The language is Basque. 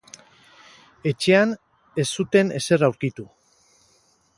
Etxean ez zuten ezer aurkitu.